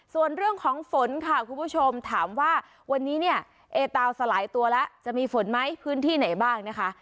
ส่วนเรื่องของฝนค่ะคุณผู้ชมถามว่าวันนี้เนี่ยเอตาวสลายตัวแล้วจะมีฝนไหมพื้นที่ไหนบ้างนะคะ